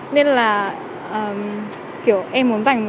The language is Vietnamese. nên là em muốn dành một